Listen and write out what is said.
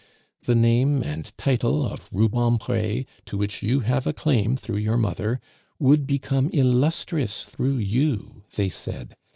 The name and title of Rubempre, to which you have a claim through your mother, would become illustrious through you, they said.